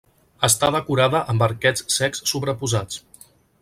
Està decorada amb arquets cecs sobreposats.